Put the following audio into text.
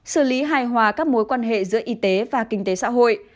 xử lý hài hòa các mối quan hệ giữa y tế và kinh tế xã hội